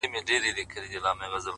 • زما د غیرت شمله به کښته ګوري,